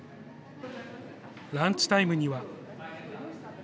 ランチタイムには。